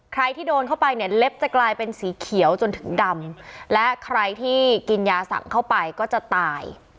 ใครที่โดนเข้าไปเนี่ยเล็บจะกลายเป็นสีเขียวจนถึงดำและใครที่กินยาสั่งเข้าไปก็จะตาย